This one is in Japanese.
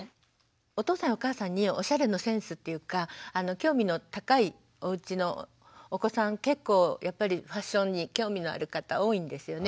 お父さんやお母さんにおしゃれのセンスっていうか興味の高いおうちのお子さん結構やっぱりファッションに興味のある方多いんですよね